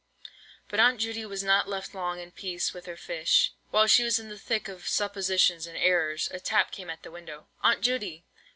But Aunt Judy was not left long in peace with her fish. While she was in the thick of "suppositions" and "errors," a tap came at the window. "Aunt Judy!"